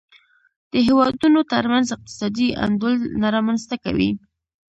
د هېوادونو ترمنځ اقتصادي انډول نه رامنځته کوي.